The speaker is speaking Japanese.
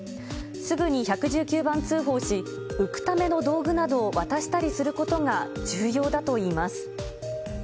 すぐに１１９番通報し、浮くための道具などを渡したりすることが重要だといいます。